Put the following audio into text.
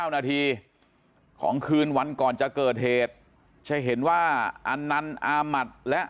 ๙นาทีของคืนวันก่อนจะเกิดเหตุจะเห็นว่าอันนั้นอามัติและ